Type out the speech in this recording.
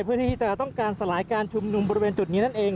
เพื่อที่จะต้องการสลายการชุมนุมบริเวณจุดนี้นั่นเอง